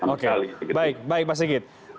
oke baik pak singgit